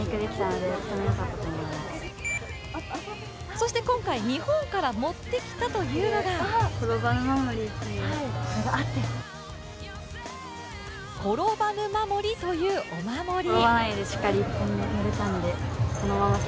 そして今回、日本から持ってきたというのが転ばぬ守というお守り。